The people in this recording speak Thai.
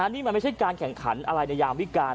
นี่มันไม่ใช่การแข่งขันอะไรในยามวิการ